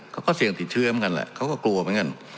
เขาก็เสี่ยงติดเชื้อเหมือนกันแหละเขาก็กลัวเหมือนกัน